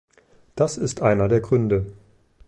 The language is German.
Das ist einer der Gründe.